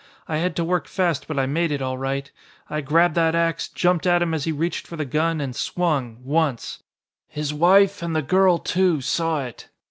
I had to work fast but I made it all right. I grabbed that ax, jumped at him as he reached for the gun, and swung once. His wife, and the girl too, saw it.